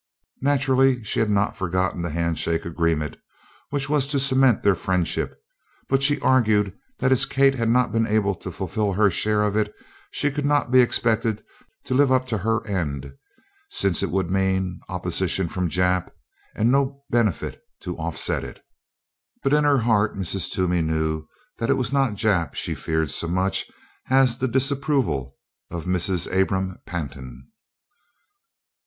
Naturally, she had not forgotten the "handshake agreement" which was to cement their friendship, but she argued that as Kate had not been able to fulfill her share of it she could not be expected to live up to her end, since it would mean opposition from Jap and no benefit to offset it. But in her heart Mrs. Toomey knew that it was not Jap she feared so much as the disapproval of Mrs. Abram Pantin.